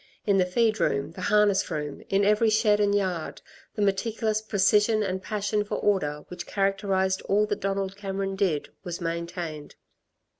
In the feed room, the harness room, in every shed and yard, the meticulous precision and passion for order which characterised all that Donald Cameron did, was maintained.